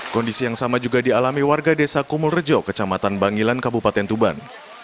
kondisi yang sama juga dialami warga desa kumulrejo kecamatan bangilan kabupaten tuban